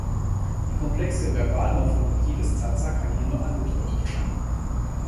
Die komplexe Verbalmorphologie des Zaza kann hier nur angedeutet werden.